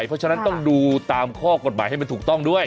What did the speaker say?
เพราะฉะนั้นต้องดูตามข้อกฎหมายให้มันถูกต้องด้วย